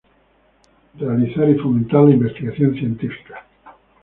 C.- Realizar y fomentar la investigación científica.